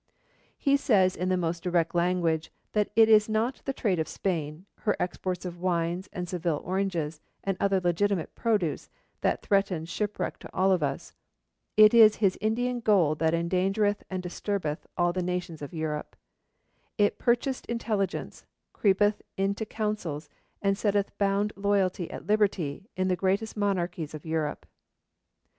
He says in the most direct language that it is not the trade of Spain, her exports of wines and Seville oranges and other legitimate produce, that threatens shipwreck to us all; 'it is his Indian gold that endangereth and disturbeth all the nations of Europe; it purchased intelligence, creepeth into councils, and setteth bound loyalty at liberty in the greatest monarchies of Europe.'